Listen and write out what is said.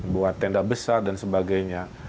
buat tenda besar dan sebagainya